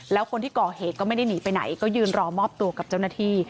แล้วคนที่ก่อเหตุก็ไม่ได้หนีไปไหนก็ยืนรอมอบตัวกับเจ้าหน้าที่